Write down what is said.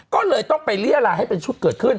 ก็เลยต้องไปเรียลาให้เป็นชุดเกิดขึ้น